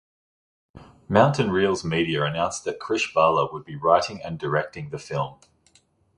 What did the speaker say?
Mountain Reels Media announced that Krish Bala would be writing and directing the film.